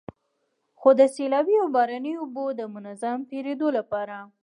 څو د سيلابي او باراني اوبو د منظم تېرېدو لپاره